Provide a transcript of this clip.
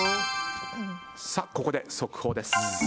さあここで速報です。